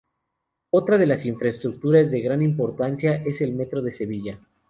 Otra de las infraestructuras de gran importancia es el Metro de Sevilla.